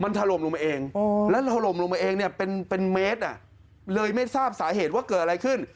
มันทะลมลงไปเองและทะลมลงไปเองเป็นเมตรเลยไม่ทราบสาเหตุว่าเกิดอะไรขึ้น